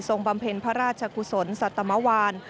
บำเพ็ญพระราชกุศลสัตมวาน